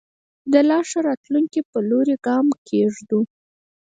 د لا ښه راتلونکي په لوري ګام کېږدو.